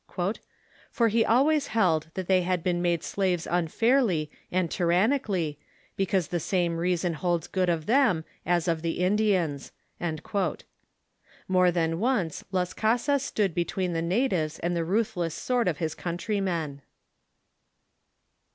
" For he always held that they had been made slaves unfairly and tyrannically', since the same reason holds good of them as of the Indians." More than once Las Casas stood between the natives and the ruthless sword of his countrymen.